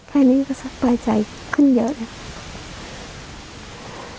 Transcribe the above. แค่นี้ก็สบายใจขึ้นเยอะแล้ว